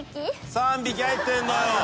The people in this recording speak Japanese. ３匹入ってんの。